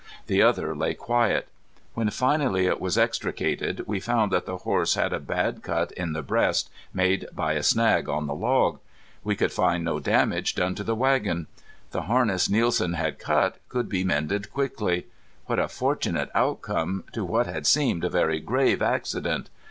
The other lay quiet. When finally it was extricated we found that the horse had a bad cut in the breast made by a snag on the log. We could find no damage done to the wagon. The harness Nielsen had cut could be mended quickly. What a fortunate outcome to what had seemed a very grave accident!